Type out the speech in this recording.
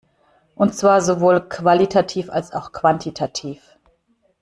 Und zwar sowohl qualitativ als auch quantitativ.